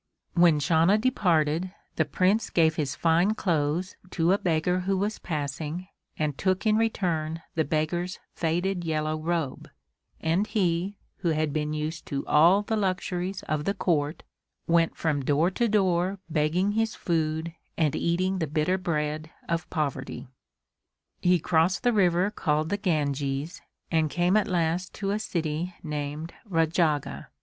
When Channa departed, the Prince gave his fine clothes to a beggar who was passing and took in return the beggar's faded yellow robe, and he, who had been used to all the luxuries of the Court, went from door to door begging his food and eating the bitter bread of poverty. He crossed the river called the Ganges and came at last to a city named Rajagha.